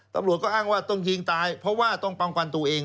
ตำรวจก็อ้างว่าต้องยิงตายเพราะว่าต้องป้องกันตัวเอง